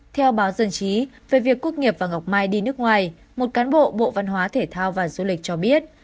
theo báo dân chí về việc quốc nghiệp và ngọc mai đi nước ngoài một cán bộ bộ văn hóa thể thao và du lịch cho biết